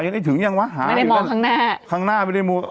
ได้ถึงยังวะหาไม่ได้มองข้างหน้าข้างหน้าไม่ได้มอง